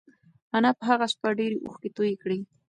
انا په هغه شپه ډېرې اوښکې تویې کړې.